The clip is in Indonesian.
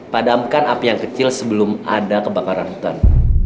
padamkan api yang kecil sebelum ada kebakaran hutan